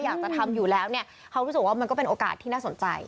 อยากจะทำอยู่แล้วเนี่ยเขารู้สึกว่ามันก็เป็นโอกาสที่น่าสนใจ